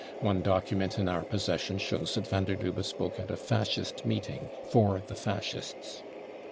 One document in our possession shows that van der Lubbe spoke at a Fascist meeting for the Fascists.